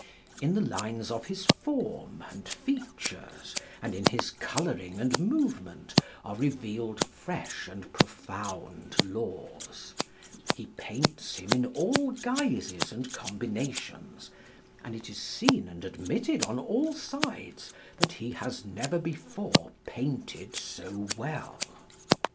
In the lines of his form and features, and in his colouring and movement, are revealed fresh and profound laws: he paints him in all guises and combinations, and it is seen and admitted on all sides that he has never before painted so well.